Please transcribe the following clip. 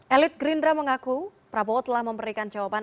elit gerindra mengaku prabowo telah memberikan jawaban